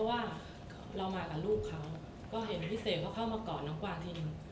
ภาระลูบเขาก็เห็นพี่เศกเข้ามาก่อนหนังกวางทีนึง